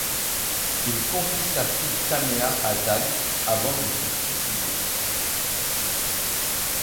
Il confie sa fille Tamea à Dan, avant de se suicider.